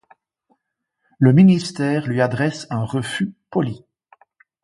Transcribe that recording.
Le ministère lui adresse un refus poli.